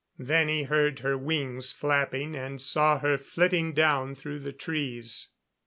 Then he heard her wings flapping and saw her flitting down through the trees.